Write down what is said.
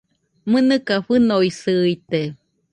¡Mɨnɨka fɨnoisɨite!